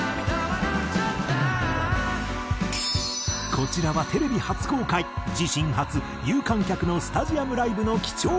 こちらはテレビ初公開自身初有観客のスタジアムライブの貴重映像。